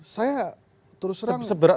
saya terus terang ya pak